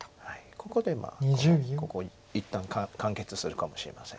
ここでここ一旦完結するかもしれません。